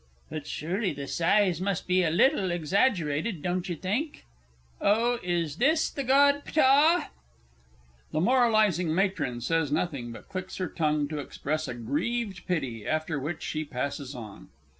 But surely the size must be a little exaggerated, don't you think? Oh, is this the God Ptah? [The M. M. says nothing, but clicks her tongue to express a grieved pity, after which she passes on.